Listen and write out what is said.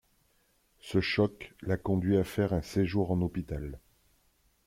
Ce choc la conduit à faire un séjour en hôpital.